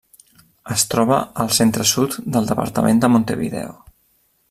Es troba al centre-sud del departament de Montevideo.